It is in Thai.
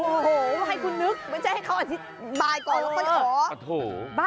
โอ้โหให้คุณนึกไม่ใช่ให้เขาอธิบายก่อนแล้วค่อยขอ